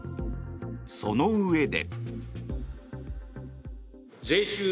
そのうえで。